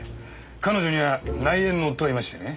彼女には内縁の夫がいましてね。